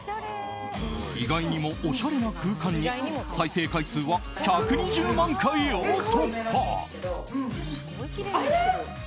意外にもおしゃれな空間に再生回数は１２０万回を突破。